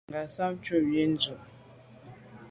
Ngassam ntshob yi ndù.